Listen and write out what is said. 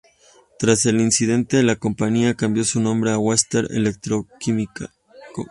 Tras el incidente, la compañía cambió su nombre a Western Electroquímica Co.